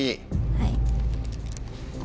はい。